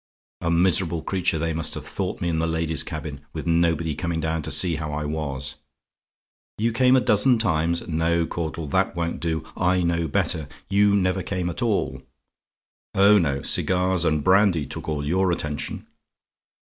"A miserable creature they must have thought me in the ladies' cabin, with nobody coming down to see how I was. "YOU CAME A DOZEN TIMES? "No, Caudle, that won't do. I know better. You never came at all. Oh, no! cigars and brandy took all your attention.